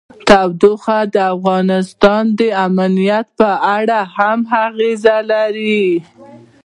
تودوخه د افغانستان د امنیت په اړه هم اغېز لري.